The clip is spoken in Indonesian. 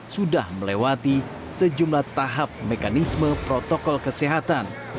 sudah melewati sejumlah tahap mekanisme protokol kesehatan